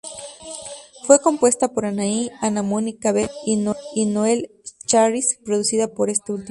Fue compuesta por Anahí, Ana Mónica Velez y Noel Schajris, producida por este último.